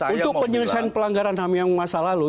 untuk penyelesaian pelanggaran ham yang masa lalu